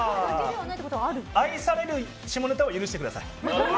愛される下ネタは許してください。